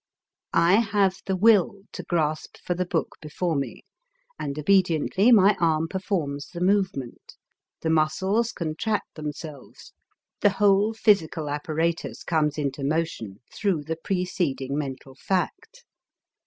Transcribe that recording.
I have the will to grasp for the book before me, and obediently my arm performs the movement; the muscles contract themselves, the whole physical apparatus comes into motion through the preceding mental fact.